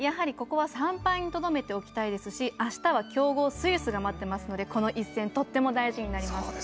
ここは３敗にとどめておきたいですしあしたは、強豪スイスが待っていますので、この一戦とっても大事になります。